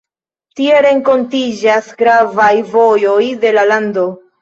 Tie renkontiĝas gravaj vojoj de la lando.